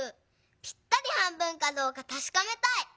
ぴったり半分かどうかたしかめたい！